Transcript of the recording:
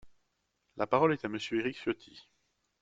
La parole est à Monsieur Éric Ciotti.